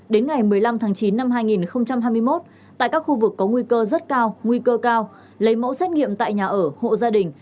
đến ngày một mươi năm tháng chín năm hai nghìn hai mươi một tại các khu vực có nguy cơ rất cao nguy cơ cao lấy mẫu xét nghiệm tại nhà ở hộ gia đình